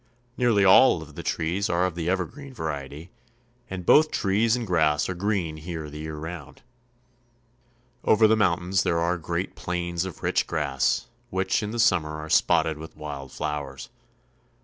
Nearly all of the trees are of the evergreen variety, and both trees and grass are green here the year round. Over the mountains there are great plains of rich grass, which in the summer are spotted with wild flowers.